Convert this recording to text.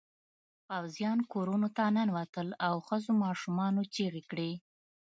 پوځيان کورونو ته ننوتل او ښځو ماشومانو چیغې کړې.